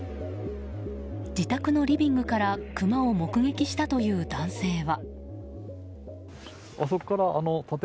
自宅のリビングからクマを目撃したという男性は。